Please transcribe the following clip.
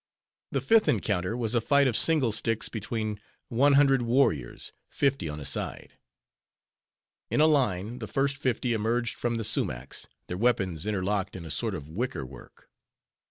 The fifth encounter was a fight of single sticks between one hundred warriors, fifty on a side. In a line, the first fifty emerged from the sumachs, their weapons interlocked in a sort of wicker work.